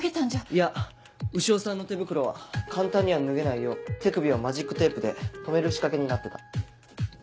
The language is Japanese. いや潮さんの手袋は簡単には脱げないよう手首をマジックテープで留める仕掛けになってた。